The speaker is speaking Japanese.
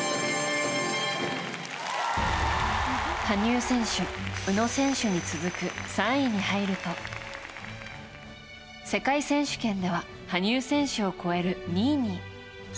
羽生選手、宇野選手に続く３位に入ると世界選手権では羽生選手を超える２位に。